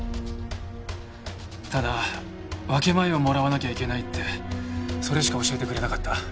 ただ分け前をもらわなきゃいけないってそれしか教えてくれなかった。